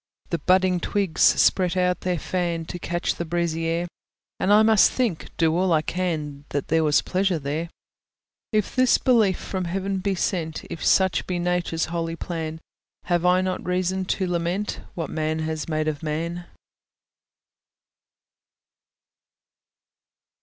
The budding twigs spread out their fan, To catch the breezy air; And I must think, do all I can, That there was pleasure there. If this belief from heaven be sent, If such be Nature's holy plan, Have I not reason to lament What man has made of man?